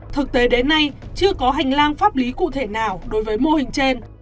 thực tế đến nay chưa có hành lang pháp lý cụ thể nào đối với mô hình trên